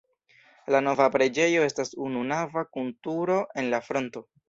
La nova preĝejo estas ununava kun turo en la fronto.